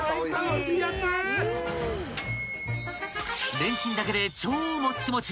［レンチンだけで超もっちもち］